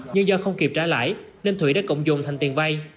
nhưng do không kịp trả lãi nên thụy đã cộng dùng thành tiền vay